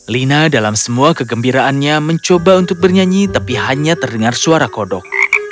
lina dalam semua kegembiraannya mencoba untuk bernyanyi tapi hanya terdengar suara kodok